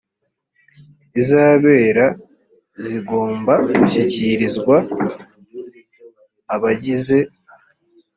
izabera zigomba gushyikirizwa abagize